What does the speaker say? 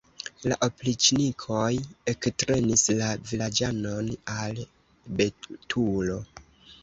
La opriĉnikoj ektrenis la vilaĝanon al betulo.